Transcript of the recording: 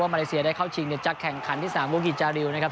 ฝากชิงในแขกแขนคันที่๓กุ๊กิจาริยูนะครับ